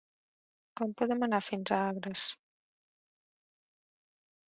Com podem anar fins a Agres?